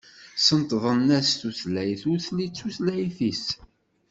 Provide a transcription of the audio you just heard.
Sentḍen-as tutlayt ur telli d tutlayt-is.